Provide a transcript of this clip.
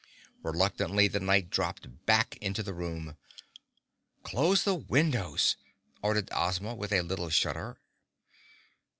Reluctantly, the Knight dropped back into the room. "Close the windows," ordered Ozma with a little shudder.